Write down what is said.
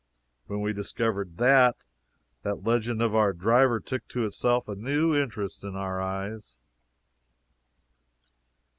When we discovered that, that legend of our driver took to itself a new interest in our eyes.